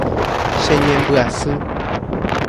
Cheñembyasy.